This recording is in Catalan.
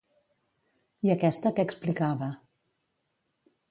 I aquesta què explicava?